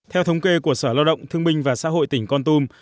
theo thống kê của sở lao động thương minh và xã hội tỉnh con tum